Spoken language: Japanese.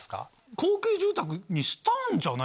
高級住宅にしたんじゃないですか。